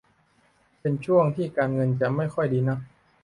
เป็นช่วงที่การเงินจะไม่ค่อยดีนัก